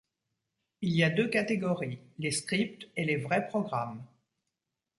Il y a deux catégories: les scripts et les vrais programmes.